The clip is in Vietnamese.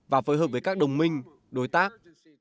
và phối hợp với các đồng minh đối tác